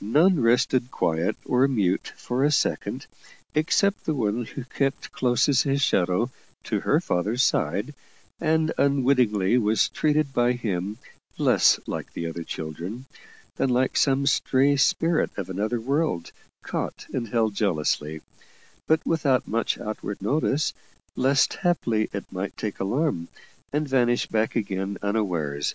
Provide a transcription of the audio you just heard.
None rested quiet or mute for a second, except the one who kept close as his shadow to her father's side, and unwittingly was treated by him less like the other children, than like some stray spirit of another world, caught and held jealously, but without much outward notice, lest haply it might take alarm, and vanish back again unawares.